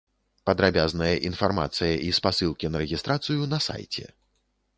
Падрабязная інфармацыя і спасылкі на рэгістрацыю на сайце.